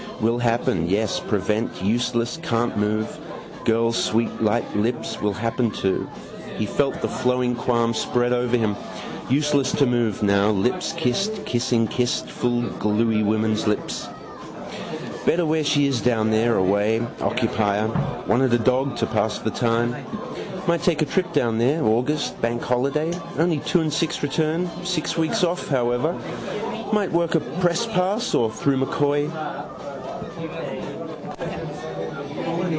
Will happen, yes. Prevent. Useless: can't move. Girl's sweet light lips. Will happen too. He felt the flowing qualm spread over him. Useless to move now. Lips kissed, kissing, kissed. Full gluey woman's lips. Better where she is down there: away. Occupy her. Wanted a dog to pass the time. Might take a trip down there. August bank holiday, only two and six return. Six weeks off, however. Might work a press pass. Or through M'Coy.